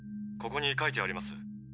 ここに書いてあります。